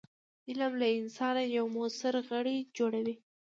علم له انسانه یو موثر غړی جوړوي.